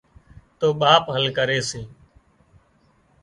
تو ٻاپ حل ڪري سي